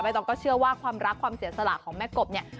ต้องก็เชื่อว่าความรักความเสียสละของแม่กบเนี่ย